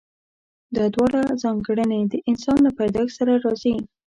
دا دواړه ځانګړنې د انسان له پيدايښت سره راځي.